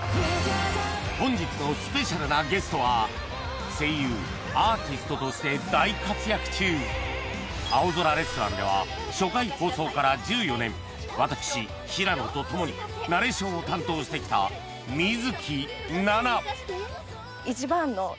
本日のスペシャルなゲストは声優・アーティストとして大活躍中『青空レストラン』では初回放送から１４年私平野と共にナレーションを担当してきた水樹奈々